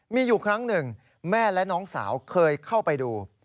มีอยู่ครั้งหนึ่งแม่และน้องสาวเคยเข้าไปดู